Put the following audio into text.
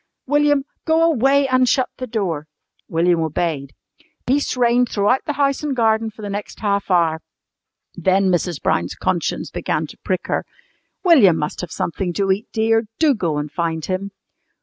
"William, go away and shut the door." William obeyed. Peace reigned throughout the house and garden for the next half hour. Then Mrs. Brown's conscience began to prick her. "William must have something to eat, dear. Do go and find him."